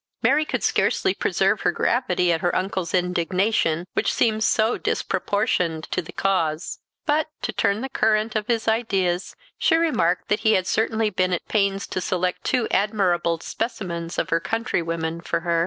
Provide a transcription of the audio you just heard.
Mary could scarcely preserve her gravity at her uncle's indignation, which seemed so disproportioned to the cause. But, to turn the current of his ideas, she remarked that he had certainly been at pains to select two admirable specimens of her countrywomen for her.